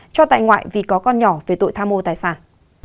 cho tại ngoại vì có con nhỏ về tội tham mô tài sản